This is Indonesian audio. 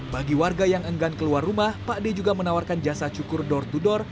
bagi warga yang enggan keluar rumah pak d juga menawarkan jasa cukur door to door